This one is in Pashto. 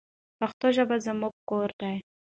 پښتو ژبه زموږ کور دی.